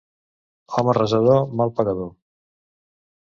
Home resador, mal pagador.